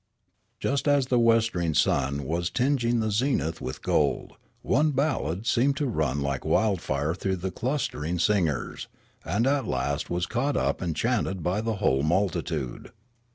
Just as the westering sun was tinging the zenith with gold, one ballad seemed to run like wildfire through the clustering singers, and at last was caught up and chanted b}^ the whole multitude.